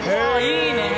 いいね！